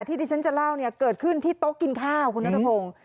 ที่ที่ฉันจะเล่าเนี่ยเกิดขึ้นที่โต๊ะกินข้าวคุณนัทพงศ์